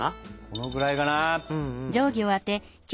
このくらいかな？